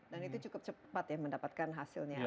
itu cukup cepat ya mendapatkan hasilnya